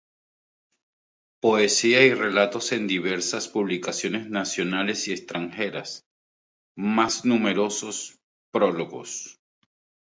Poesía y relatos en diversas publicaciones nacionales y extranjeras, más numerosos prólogos.